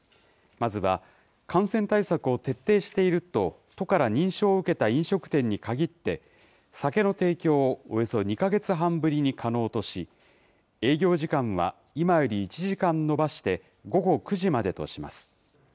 まずは、感染対策を徹底していると都から認証を受けた飲食店に限って、酒の提供をおよそ２か月半ぶりに可能とし、営業時間は今より１時間延ばして午後９時までとします。